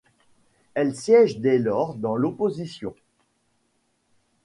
Elle siège dès lors dans l'opposition.